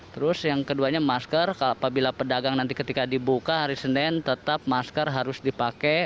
terus yang keduanya masker apabila pedagang nanti ketika dibuka hari senin tetap masker harus dipakai